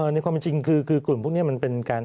ในความจริงคือกลุ่มพวกนี้มันเป็นการ